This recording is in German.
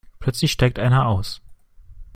Plötzlich steigt einer aus.